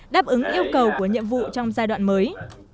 đáp ứng yêu cầu của nhiệm vụ trong giai đoạn mới